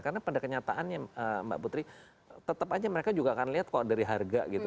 karena pada kenyataannya mbak putri tetap aja mereka juga akan lihat kok dari harga gitu loh